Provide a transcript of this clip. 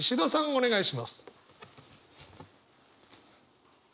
お願いします。